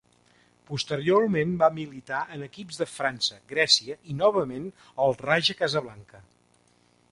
Posteriorment va militar en equips de França, Grècia i novament el Raja Casablanca.